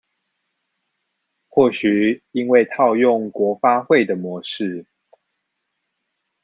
或許因為套用國發會的模式